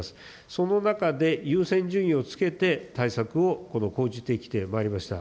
その中で優先順位をつけて対策を講じてきてまいりました。